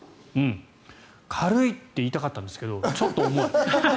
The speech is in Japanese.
軽い！って言いたかったんですけどちょっと重い。